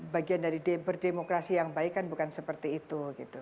bagian dari berdemokrasi yang baik kan bukan seperti itu